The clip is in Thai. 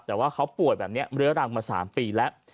แต่ว่าเขาป่วยแบบนี้เรื้อรังมา๓ปีแล้ว